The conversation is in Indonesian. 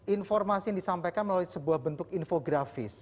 informasi yang disampaikan melalui sebuah bentuk infografis